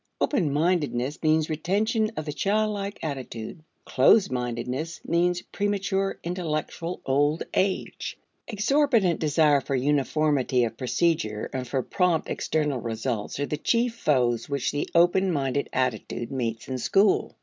Open mindedness means retention of the childlike attitude; closed mindedness means premature intellectual old age. Exorbitant desire for uniformity of procedure and for prompt external results are the chief foes which the open minded attitude meets in school.